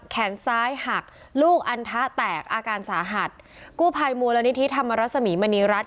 แขนซ้ายหักลูกอันทะแตกอาการสาหัสกู้ภัยมูลนิธิธรรมรสมีมณีรัฐ